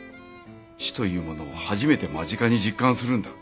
死というものを初めて間近に実感するんだ。